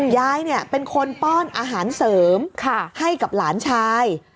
ยายเป็นคนป้อนอาหารเสริมให้กับหลานชาย